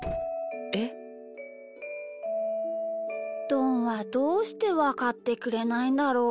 どんはどうしてわかってくれないんだろう？